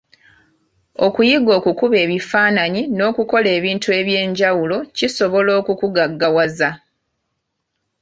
Okuyiga okukuba ebifaananyi n’okukola ebintu eby’enjawulo kisobola okukugaggawaza.